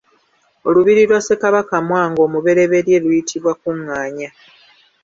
Olubiri lwa Ssekabaka Mwanga omuberyeberye luyitibwa Kuŋŋaanya.